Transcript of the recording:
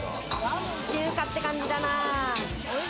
中華って感じだな。